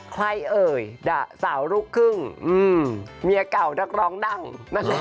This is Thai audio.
เอ่ยด่าสาวลูกครึ่งเมียเก่านักร้องดังนะคะ